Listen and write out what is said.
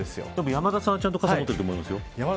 山田さんはちゃんと傘を持ってると思いますよ。